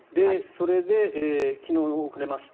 それで、昨日遅れました。